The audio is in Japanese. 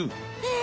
え？